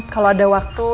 kalau ada waktu